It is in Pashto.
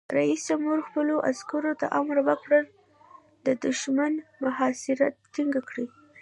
رئیس جمهور خپلو عسکرو ته امر وکړ؛ د دښمن محاصره تنګه کړئ!